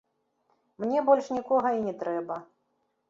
Мне больш нікога і не трэба.